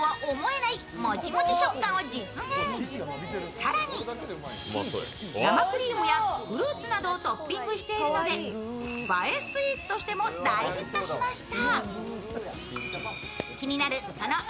更に、生クリームやフルーツなどをトッピングしているので、映えスイーツとしても大ヒットしました。